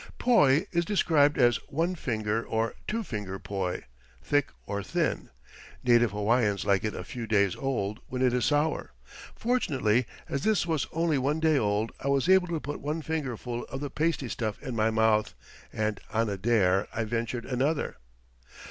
[Illustration: Making Poi] Poi is described as "one finger" or "two finger" poi thick or thin. Native Hawaiians like it a few days old, when it is sour. Fortunately, as this was only one day old, I was able to put one finger full of the pasty stuff in my mouth, and, on a dare, I ventured another.